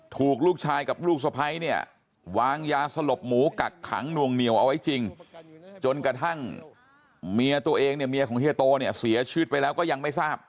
ถูกลูกชายกับลูกสภัยเนี่ยวางยาสลบหมูกักขังนวงเหนียวเอาไว้จริง